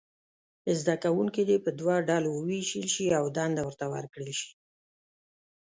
زده کوونکي دې په دوو ډلو وویشل شي او دنده ورته ورکړل شي.